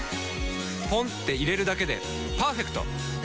ポンって入れるだけでパーフェクト！